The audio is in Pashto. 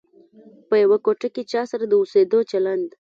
په یوه کوټه کې چا سره د اوسېدلو چلند.